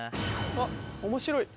あっ面白い。